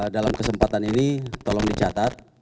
dalam kesempatan ini tolong dicatat